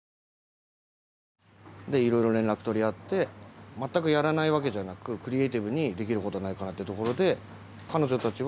色々連絡取り合って全くやらないわけじゃなくクリエイティブにできることはないかなってところでえ